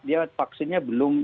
dia vaksinnya belum